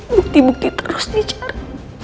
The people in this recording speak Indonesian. bukti bukti terus dicara